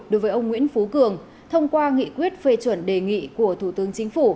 đối với ông nguyễn phú cường thông qua nghị quyết phê chuẩn đề nghị của thủ tướng chính phủ